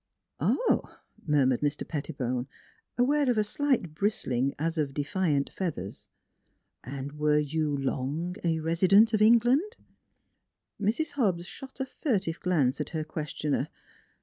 "Ah! " murmured Mr. Pettibone, aware of a slight bristling, as of defiant feathers. " Were you er long a resident of England?" Mrs. Hobbs shot a furtive glance at her ques tioner.